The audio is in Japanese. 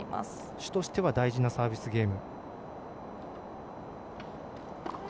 朱としては大事なサービスゲーム。